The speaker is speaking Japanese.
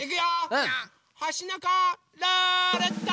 うん！ほしのこルーレット！